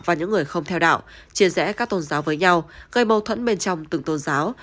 và những người không theo đạo chia rẽ các tôn giáo với nhau gây mâu thuẫn bên trong từng tôn giáo